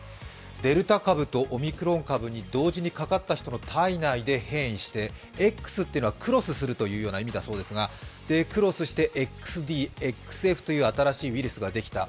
デルタ株とオミクロン株に同時にかかった人の体内で変異してＸというのはクロスするという意味だそうですがクロスして、ＸＤ、ＸＦと新しいウイルスができた。